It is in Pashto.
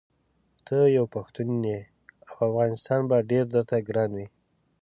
ته یو پښتون یې او افغانستان به ډېر درته ګران وي.